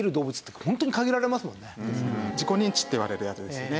自己認知っていわれるやつですよね。